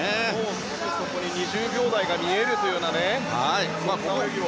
すぐそこに２０秒台が見えるというようなそんな泳ぎを。